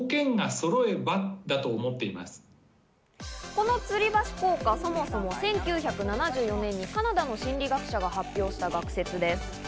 このつり橋効果、そもそも１９７４年、カナダの心理学者が発表した学説です。